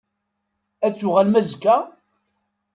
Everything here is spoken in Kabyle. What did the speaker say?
Ad n-tuɣalem azekka?